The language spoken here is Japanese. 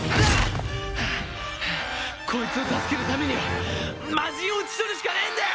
こいつを助けるためには魔人を打ち取るしかねえんだよ！